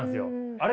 あれ？